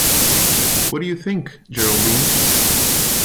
What do you think, Geraldine?